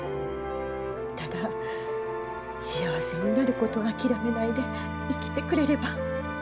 ただ幸せになることを諦めないで生きてくれれば。